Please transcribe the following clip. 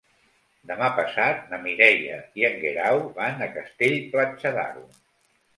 Demà passat na Mireia i en Guerau van a Castell-Platja d'Aro.